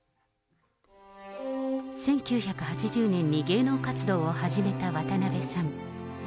１９８０年に芸能活動を始めた渡辺さん。